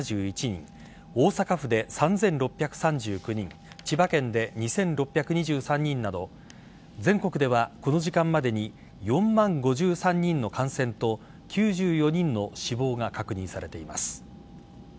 大阪府で３６３９人千葉県で２６２３人など全国ではこの時間までに４万５３人の感染と９４人の死亡が確認されています。